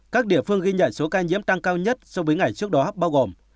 các địa phương ghi nhận số ca nhiễm tăng cao nhất so với ngày trước đó bao gồm